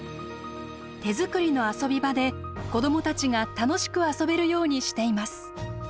手作りの遊び場で子どもたちが楽しく遊べるようにしています。